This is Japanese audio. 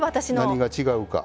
何が違うか。